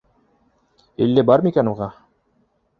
Илле бар микән уға?!